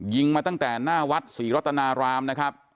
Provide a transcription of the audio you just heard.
ยิงมาตั้งแต่หน้าวัดศรีรัตนารามนะครับ